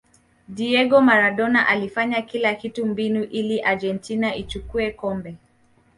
diego maradona alifanya kila kitu mbinu ili argentina ichukue kombe